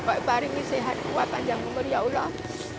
pokoknya sehat kuat panjang umur ya allah